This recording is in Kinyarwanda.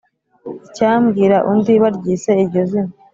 icyambwira undi baryise iryo zina,